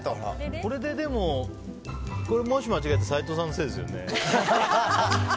これでもし間違えたら斉藤さんのせいですよね。